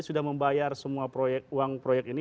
sudah membayar semua uang proyek ini